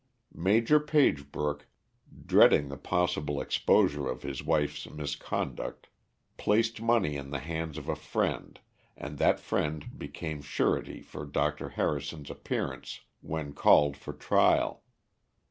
Major Pagebrook, dreading the possible exposure of his wife's misconduct, placed money in the hands of a friend, and that friend became surety for Dr. Harrison's appearance when called for trial.